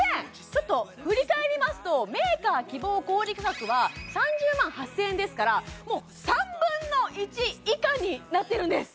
ちょっと振り返りますとメーカー希望小売価格は３０万８０００円ですからもう３分の１以下になってるんです